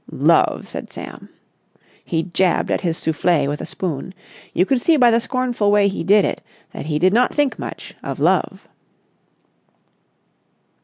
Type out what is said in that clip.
"Love!" said Sam. He jabbed at his soufflé with a spoon. You could see by the scornful way he did it that he did not think much of love.